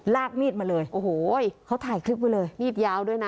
ลากมีดมาเลยโอ้โหเขาถ่ายคลิปไว้เลยมีดยาวด้วยนะ